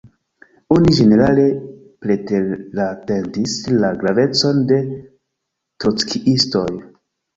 Oni ĝenerale preteratentis la gravecon de trockiistoj.